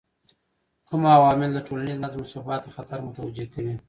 کوم عوامل د ټولنیز نظم ثبات ته خطر متوجه کوي؟